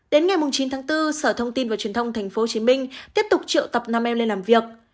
đến ngày chín tháng bốn sở thông tin và truyền thông tp hcm tiếp tục triệu tập năm em lên làm việc